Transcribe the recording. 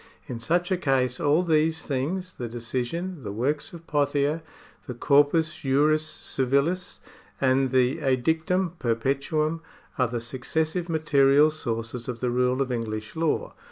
In such a case all these things — the decision, the works of Pothier, the corpus juris civilis, and the edictum perpetuum — are the successive material sources of the rule of English law.